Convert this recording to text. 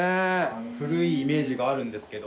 古いイメージがあるんですけど。